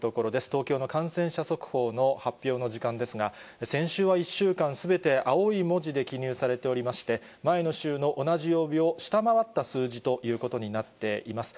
東京の感染者速報の発表の時間ですが、先週は１週間、すべて青い文字で記入されておりまして、前の週の同じ曜日を下回った数字ということになっています。